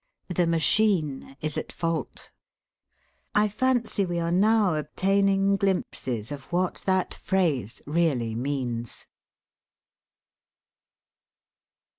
The machine is at fault. I fancy we are now obtaining glimpses of what that phrase really means.